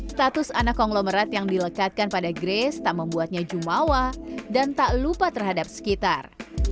status anak konglomerat yang dilekatkan pada grace tak membuatnya jumawa dan tak lupa terhadap sekitar